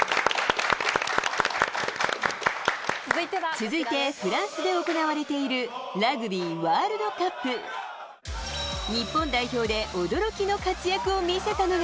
続いて、フランスで行われているラグビーワールドカップ。日本代表で驚きの活躍を見せたのが。